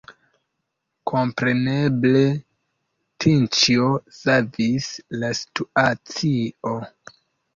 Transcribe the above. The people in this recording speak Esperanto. Kompreneble, Tinĉjo savis la situacion.